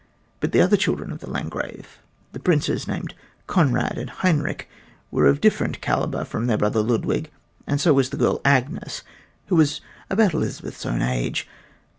But the other children of the Landgrave, the princes named Conrad and Heinrich, were of different calibre from their brother Ludwig, and so was the girl, Agnes, who was about Elizabeth's own age.